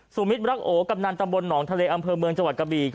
มิตรักโอกำนันตำบลหนองทะเลอำเภอเมืองจังหวัดกะบี